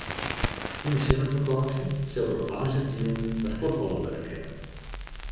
Yn de simmerfakânsje sil der op woansdeitejûn wer fuotballe wurde kinne.